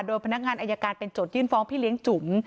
โดยพนักงานอายการเป็นโจทยื่นฟ้องพี่เลี้ยงจุ๋ม